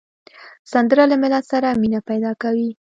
سندره له ملت سره مینه پیدا کوي